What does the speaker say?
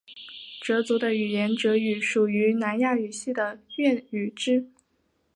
哲族的语言哲语属于南亚语系的越语支。